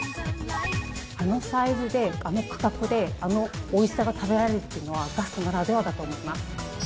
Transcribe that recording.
あのサイズで、あの価格であのおいしさが食べられるっていうのはガストならではだと思います。